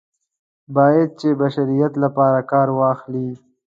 باید چې د بشریت لپاره کار واخلي.